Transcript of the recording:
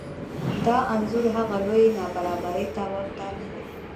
دا انځور هغه لویې نابرابرۍ ته ورته نه دی